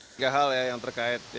tiga hal yang terkait